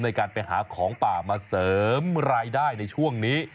ในการไปหาของป่ามาเสริมรายได้ในช่วงนี้